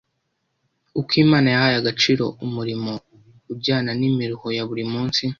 uko Imana yahaye agaciro umurimo ujyana n’imiruho ya buri munsi